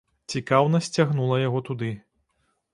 Цікаўнасць цягнула яго туды.